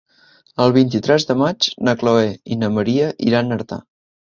El vint-i-tres de maig na Chloé i na Maria iran a Artà.